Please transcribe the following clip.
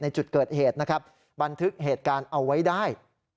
จุดเกิดเหตุนะครับบันทึกเหตุการณ์เอาไว้ได้